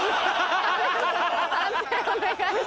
判定お願いします。